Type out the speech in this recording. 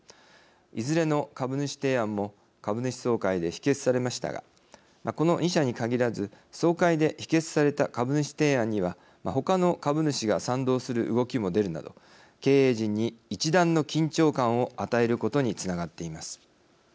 いずれの株主提案も株主総会で否決されましたがこの２社に限らず総会で否決された株主提案には他の株主が賛同する動きも出るなど経営陣に一段の緊張感を与えることにつながっています。